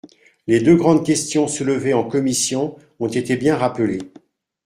Les deux grandes questions soulevées en commission ont été bien rappelées.